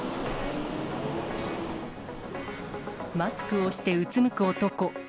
マスクをしてうつむく男。